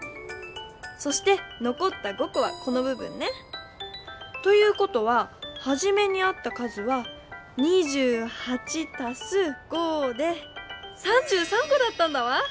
そしてのこった５こはこのぶ分ね。ということははじめにあった数は２８たす５で３３こだったんだわ！